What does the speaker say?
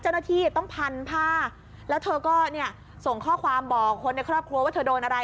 เจ้าหน้าที่ต้องพันผ้าแล้วเธอก็เนี่ยส่งข้อความบอกคนในครอบครัวว่าเธอโดนอะไร